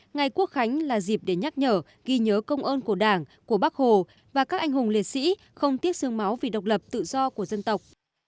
ngày quốc khánh là dịp để nhắc nhở ghi nhớ công ơn của đảng của bắc hồ và các anh hùng liệt sĩ không tiếc sương máu vì độc lập tự do của dân tộc